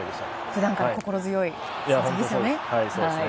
普段から心強い存在ですね。